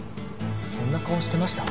そんな顔してました？